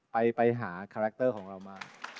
ไปหาคาแรคเตอร์ของเรามา